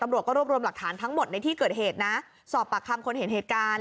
ตำรวจก็รวบรวมหลักฐานทั้งหมดในที่เกิดเหตุนะสอบปากคำคนเห็นเหตุการณ์